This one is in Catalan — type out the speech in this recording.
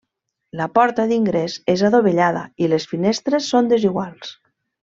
La porta d'ingrés és adovellada i les finestres són desiguals.